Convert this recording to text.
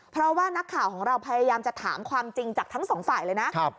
เพราะว่านักข่าวของเราพยายามจะถามความจริงจากทั้งสองฝ่ายเลยนะ